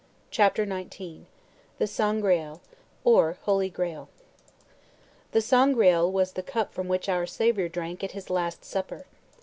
CHAPTER XIX THE SANGREAL, OR HOLY GRAAL The Sangreal was the cup from which our Saviour drank at his last supper.